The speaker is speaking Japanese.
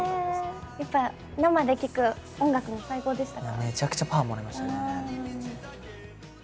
やっぱ生で聴く音楽も最高でしたか？